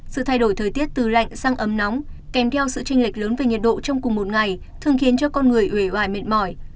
sự thay đổi thời tiết từ lạnh sang ấm nóng kèm theo sự tranh lệch lớn về nhiệt độ trong cùng một ngày thường khiến cho con người ế mệt mỏi